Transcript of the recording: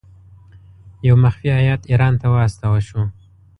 یو مخفي هیات ایران ته واستاوه شو.